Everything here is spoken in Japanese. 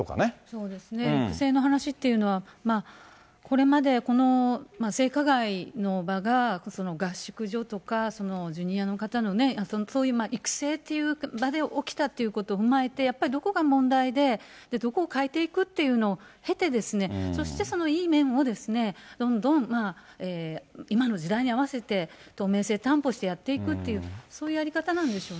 そうですね、育成の話っていうのは、これまで、この性加害の場が合宿所とかジュニアの方のね、そういう育成っていう場で起きたっていうことを踏まえて、やっぱりどこが問題で、どこを変えていくっていうのを経てですね、そしてそのいい面をどんどん今の時代に合わせて、透明性担保してやっていくっていう、そういうやり方なんでしょう